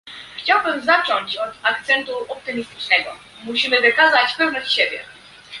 Chciałbym zacząć od akcentu optymistycznego - musimy wykazać pewność siebie